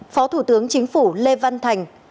phó thủ tướng chính phủ lê văn thành